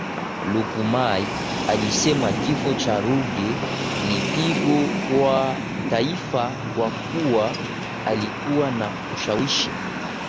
Lukumay alisema kifo cha Ruge ni pigo kwa Taifa kwa kuwa alikuwa na ushawishi